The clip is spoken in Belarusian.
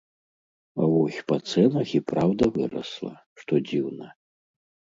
А вось па цэнах і праўда вырасла, што дзіўна.